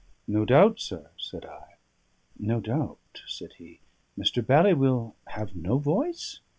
"No doubt, sir," said I. "No doubt," said he. "Mr. Bally will have no voice?"